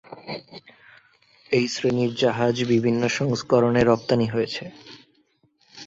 এই শ্রেণীর জাহাজ বিভিন্ন সংস্করণে রপ্তানি হয়েছে।